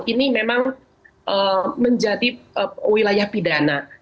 ini memang menjadi wilayah pidana